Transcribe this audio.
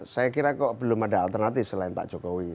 saya kira kok belum ada alternatif selain pak jokowi